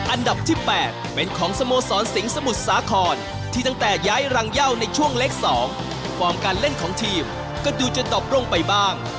อันดับที่๘เป็นของสโมสรสิงห์สมุทรสาครที่ตั้งแต่ย้ายรังเย่าในช่วงเล็ก๒ฟอร์มการเล่นของทีมก็ดูจะจบลงไปบ้าง